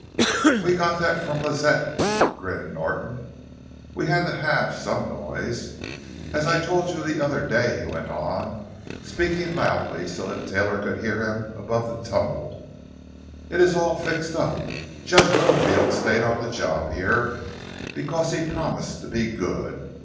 "We got that from Lazette," grinned Norton. "We had to have some noise! As I told you the other day," he went on, speaking loudly, so that Taylor could hear him above the tumult, "it is all fixed up. Judge Littlefield stayed on the job here, because he promised to be good.